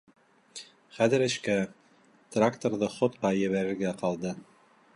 Хәҙер эшкә, тракторҙы ходҡа ебәрергә ҡалды.